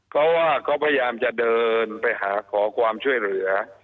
เพราะว่าเขาพยายามจะเดินไปหาขอความช่วยเหลือ